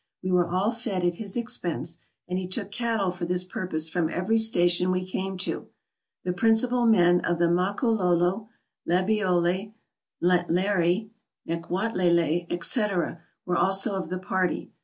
We were all fed at his expense, and he took cattle for this pur pose from every station we came to. The principal men of the Makololo, Lebeole, Ntlarie, Nkwatlele, etc., were also of the party.